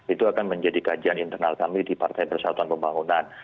itu akan menjadi kajian internal kami di partai persatuan pembangunan